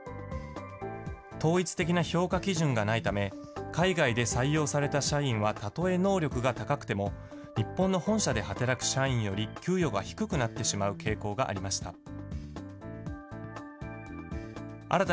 統一的な評価基準がないため、海外で採用された社員はたとえ能力が高くても、日本の本社で働く社員より給与が低くなってしまう傾向がありました。